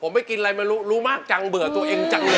ผมไปกินอะไรไม่รู้รู้รู้มากจังเบื่อตัวเองจังเลย